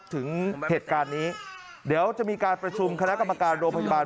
ถึงเหตุการณ์นี้เดี๋ยวจะมีการประชุมคณะกรรมการโรงพยาบาล